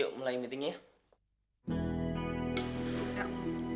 aku lagi kelaperan